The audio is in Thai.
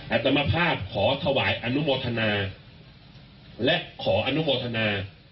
อัตมาภาพขอถวายอนุโมทนาและขออนุโมทนา